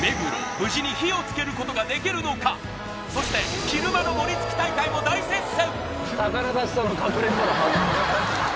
無事に火をつけることができるのかそして昼間のモリ突き大会も大接戦